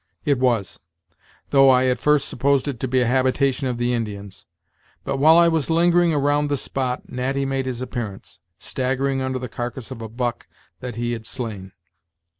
"It was; though I at first supposed it to be a habitation of the Indians. But while I was lingering around the spot Natty made his appearance, staggering under the carcass of a buck that he had slain.